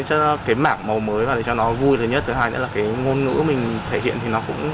cái mảng màu mới vào để cho nó vui là nhất thứ hai nữa là cái ngôn ngữ mình thể hiện thì nó cũng